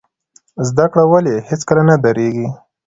زده کړه ولې هیڅکله نه دریږي؟